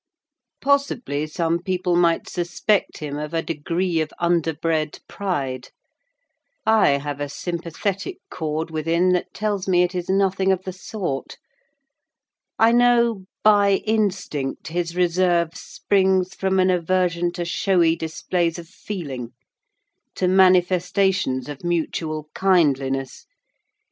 Possibly, some people might suspect him of a degree of under bred pride; I have a sympathetic chord within that tells me it is nothing of the sort: I know, by instinct, his reserve springs from an aversion to showy displays of feeling—to manifestations of mutual kindliness.